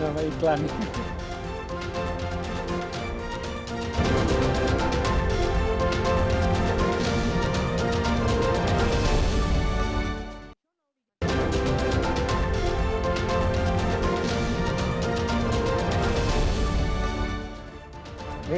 kita akan segera kembali